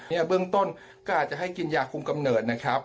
เบื้องต้นก็อาจจะให้กินยาคุมกำเนิดนะครับ